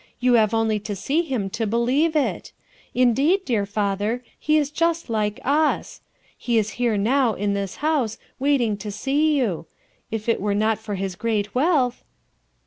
You have only to see him to believe it. Indeed, dear father, he is just like us. He is here now, in this house, waiting to see you. If it were not for his great wealth...."